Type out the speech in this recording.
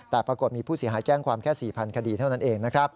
แต่ปรากฏมีผู้เสียหายแจ้งความแค่๔๐๐คดีเท่านั้นเองนะครับ